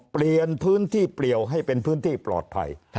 เปลี่ยนพื้นที่เปรียวให้เป็นพื้นที่ปลอดภัย